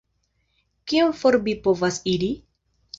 Kiom for vi povas iri?